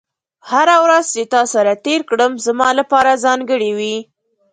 هره ورځ چې تا سره تېره کړم، زما لپاره ځانګړې وي.